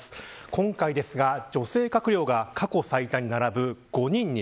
今回、女性閣僚が過去最多に並ぶ５人に。